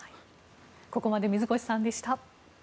ここまで水越さんでした。